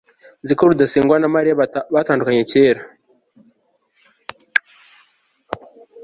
nzi ko rudasingwa na mariya batandukanye cyane